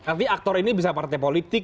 nanti aktor ini bisa partai politik